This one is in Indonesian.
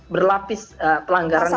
berlapis pelanggaran yang